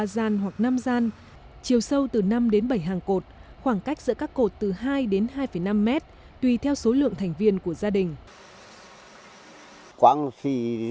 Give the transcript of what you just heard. bên trong nhà sàn hoặc nam gian chiều sâu từ năm đến bảy hàng cột khoảng cách giữa các cột từ hai đến hai năm mét tùy theo số lượng thành viên của gia đình